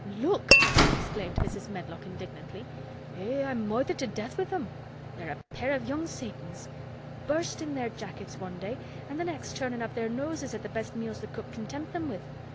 "Look!" exclaimed Mrs. Medlock indignantly. "Eh! I'm moithered to death with them. They're a pair of young Satans. Bursting their jackets one day and the next turning up their noses at the best meals Cook can tempt them with.